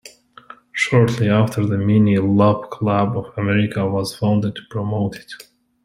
Shortly after, the Mini Lop Club of America was founded to promote it.